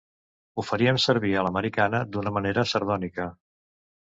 Ho faríem servir a l'americana d'una manera sardònica.